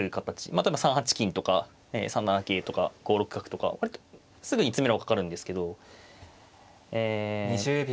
例えば３八金とか３七桂とか５六角とか割とすぐに詰めろがかかるんですけどえっと。